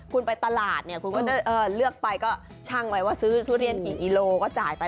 คุณไปตลาดเนี่ยคุณก็จะเลือกไปก็ช่างไว้ว่าซื้อทุเรียนกี่กิโลก็จ่ายไป